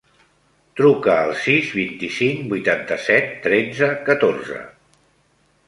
Truca al sis, vint-i-cinc, vuitanta-set, tretze, catorze.